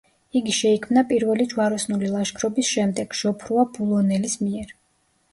იგი შეიქმნა პირველი ჯვაროსნული ლაშქრობის შემდეგ, ჟოფრუა ბულონელის მიერ.